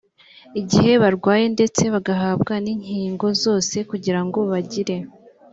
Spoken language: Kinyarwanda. igihe barwaye ndetse bagahabwa n inkingo zose kugira ngo bagire